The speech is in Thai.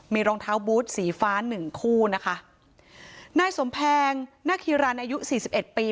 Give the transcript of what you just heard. มีรองเท้าบูธสีฟ้าหนึ่งคู่นะคะนายสมแพงนาคีรันอายุสี่สิบเอ็ดปี